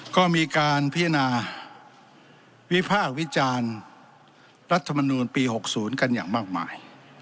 ก็มีการพิจารณาวิพากษ์วิจารณ์รัฐมนูลปี๖๐กันอย่างมากมาย